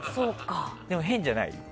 でも、変じゃない？